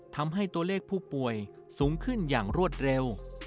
ทำให้ตัวเลขผู้ป่วยสูงขึ้นอย่างรวดเร็ว